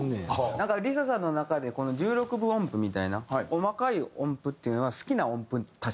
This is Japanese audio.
なんかＬｉＳＡさんの中でこの１６分音符みたいな細かい音符っていうのは好きな音符たちなんですか？